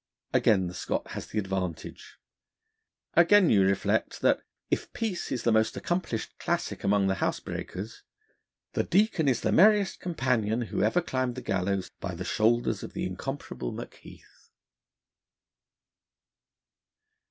Again the Scot has the advantage. Again you reflect that, if Peace is the most accomplished Classic among the housebreakers, the Deacon is the merriest companion who ever climbed the gallows by the shoulders of the incomparable Macheath.